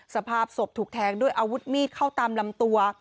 สภาพศพถูกแทงด้วยอาวุธมีดเข้าตามลำตัว